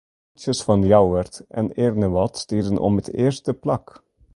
Skûtsjes fan Ljouwert en Earnewâld striden om it earste plak.